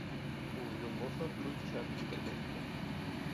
ئۇ يول ماڭسا قىلچە شەپە چىقارمايتتى.